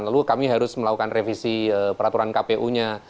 lalu kami harus melakukan revisi peraturan kpu nya